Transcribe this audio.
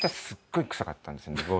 すっごいくさかったんですね